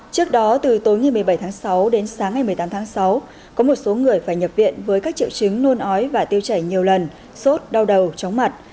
trước đó từ tối ngày một mươi bảy tháng sáu đến sáng ngày một mươi tám tháng sáu có một số người phải nhập viện với các triệu chứng nôn ói và tiêu chảy nhiều lần sốt đau đầu chóng mặt